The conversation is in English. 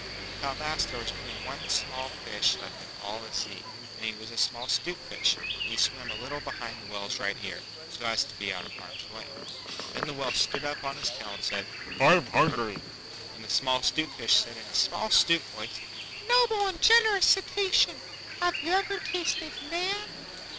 Till at last there was only one small fish left in all the sea, and he was a small 'Stute Fish, and he swam a little behind the Whale's right ear, so as to be out of harm's way. Then the Whale stood up on his tail and said, 'I'm hungry.' And the small 'Stute Fish said in a small 'stute voice, 'Noble and generous Cetacean, have you ever tasted Man?